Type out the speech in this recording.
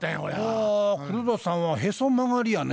あ黒田さんはへそ曲がりやね。